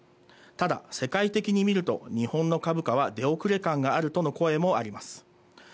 ただ世界的に見ると日本の株価は出遅れ感があるとの声もあります。